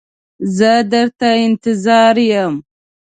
زه در ته انتظار یم.